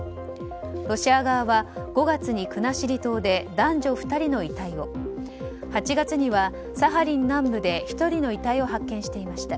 ロシア側は５月に国後島で男女２人の遺体を８月にはサハリン南部で１人の遺体を発見していました。